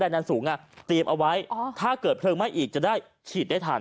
ดันสูงเตรียมเอาไว้ถ้าเกิดเพลิงไหม้อีกจะได้ฉีดได้ทัน